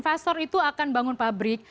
investor itu akan bangun pabrik